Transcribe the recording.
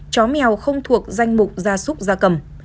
chó mèo không thuộc danh mục gia súc gia cầm